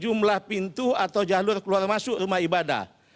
d mengumumlah pintu atau jalur keluar masuk rumah ibadah